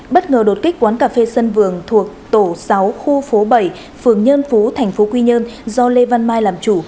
bất ngờ đột kích quán cà phê sân vường thuộc tổ sáu khu phố bảy phường nhân phú thành phố quy nhơn do lê văn mai làm chủ